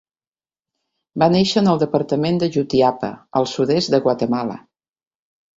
Va néixer en el departament de Jutiapa, al sud-est de Guatemala.